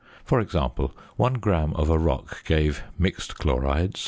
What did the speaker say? For example, 1 gram of a rock gave Mixed chlorides, 0.